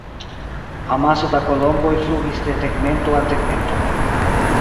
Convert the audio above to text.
Amaso da kolomboj flugis de tegmento al tegmento.